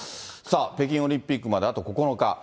さあ、北京オリンピックまであと９日。